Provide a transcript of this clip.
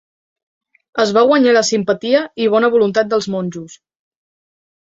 Es va guanyar la simpatia i bona voluntat dels monjos.